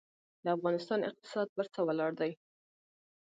د افغانستان اقتصاد پر څه ولاړ دی؟